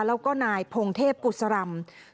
แล้วก็นายพงเทพกุศรำ